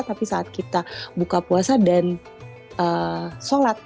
tapi saat kita buka puasa dan sholat